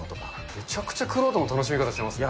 めちゃくちゃ玄人の楽しみ方をしてますね。